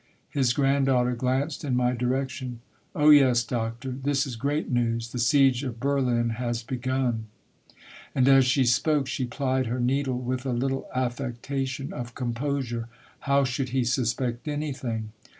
*' His granddaughter glanced in my direction. *'* Oh, yes, doctor ; this is great news ! The siege of Berlin has begun.' " And as she spoke, she plied her needle with a little affectation of composure. How should he suspect anything?